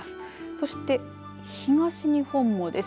そして東日本もです。